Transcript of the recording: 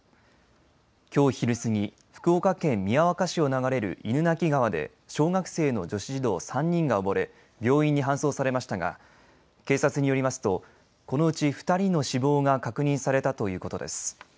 きょう昼過ぎ、福岡県宮若市を流れる犬鳴川で小学生の女子児童３人が溺れ、病院に搬送されましたが警察によりますとこのうち２人の死亡が確認されたということです。